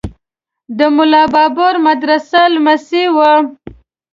د ملا بابړ مدرس لمسی و.